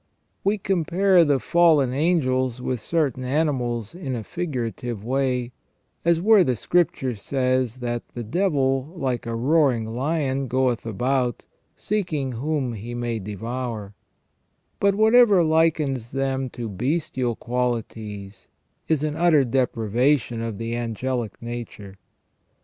We compare the fallen angels with certain animals in a figurative way, as where the Scripture says, that "the devil like a roaring lion goeth about, seeking whom he may devour "; but whatever likens them to bestial qualities is an utter depravation of the angeUc nature.